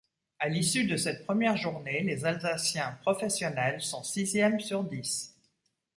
À l'issue de cette première journée, les Alsaciens professionnels sont sixième sur dix.